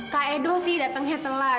kak edho sih datengnya telat